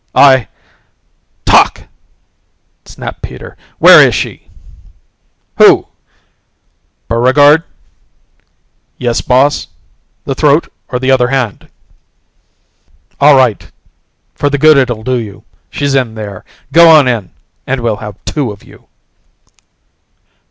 "I " "Talk!" snapped Peter. "Where is she?" "Who?" "Buregarde ?" "Yes, boss. The throat or the other hand?" "All right for the good it'll do you. She's in there. Go on in and we'll have two of you!"